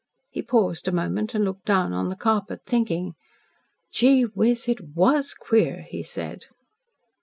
He paused a moment and looked down on the carpet, thinking. "Gee whiz! It WAS queer," he said.